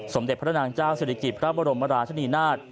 สมเด็จพระนางเจ้าศิริกิจพระบรมราชนีนาฏ